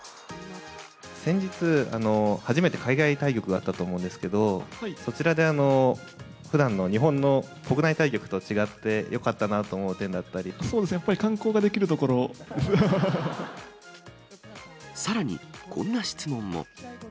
先日、初めて海外対局があったと思うんですけど、そちらでふだんの日本の国内対決と違って、よかったなと思う点だそうですね、やっぱり観光がさらに、こんな質問も。